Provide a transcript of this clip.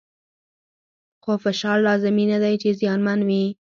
خو فشار لازمي نه دی چې زیانمن وي.